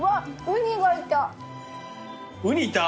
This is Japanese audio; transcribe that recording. ウニいた？